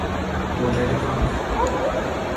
برجک تانک